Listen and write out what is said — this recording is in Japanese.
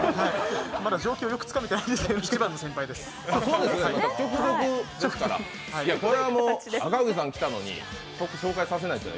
まだ状況がよくつかめてないんです。